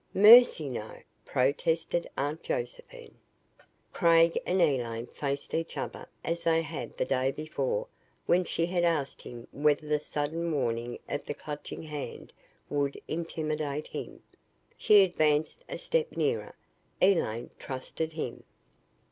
"Mercy, no!" protested Aunt Josephine. Craig and Elaine faced each other as they had the day before when she had asked him whether the sudden warning of the Clutching Hand would intimidate him. She advanced a step nearer. Elaine trusted him.